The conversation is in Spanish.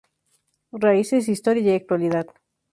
Raíces, historia y actualidad".